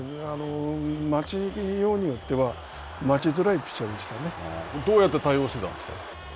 待ちようによってはどうやって対応してたんですか。